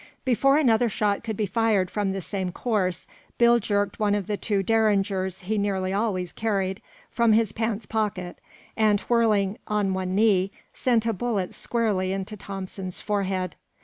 Before another shot could be fired from the same course, Bill jerked one of the two derringers he nearly always carried, from his pants pocket, and, whirling on one knee, sent a bullet squarely into Thompson's forehead.